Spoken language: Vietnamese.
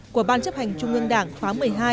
của ban chấp hành trung ương đảng khóa một mươi hai